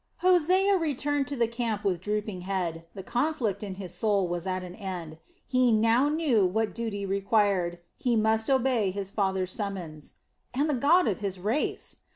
Hosea returned to the camp with drooping head. The conflict in his soul was at an end. He now knew what duty required. He must obey his father's summons. And the God of his race!